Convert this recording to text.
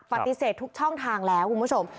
ปฏิเสธทุกช่องทางแล้วคุณผู้ชม